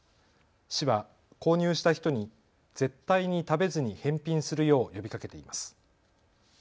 市は購入した人に絶対に食べずに返品するよう呼びかけています。